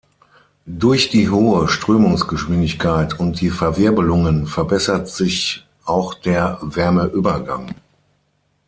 Durch die hohe Strömungsgeschwindigkeit und die Verwirbelungen verbessert sich auch der Wärmeübergang.